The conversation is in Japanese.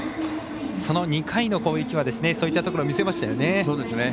その２回の攻撃はそういったところ見せましたよね。